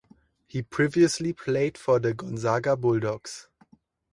He previously played for the Gonzaga Bulldogs.